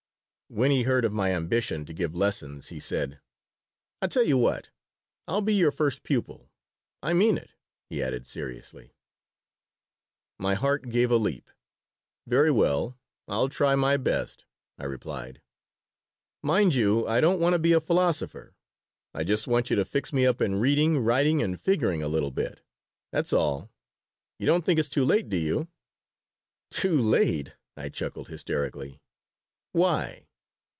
'" When he heard of my ambition to give lessons he said: "I tell you what. I'll be your first pupil. I mean it." he added, seriously. My heart gave a leap. "Very well. I'll try my best," I replied "Mind you, I don't want to be a philosopher. I just want you to fix me up in reading, writing, and figuring a little bit. That's all. You don't think it's too late, do you?" "Too late!" I chuckled, hysterically. "Why?"